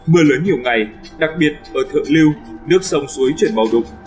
mưa lớn nhiều ngày đặc biệt ở thượng lưu nước sông suối chuyển màu đục